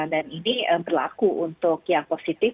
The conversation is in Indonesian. dan ini berlaku untuk yang positif